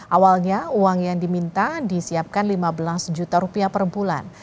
awalnya uang yang diminta disiapkan lima belas juta rupiah per bulan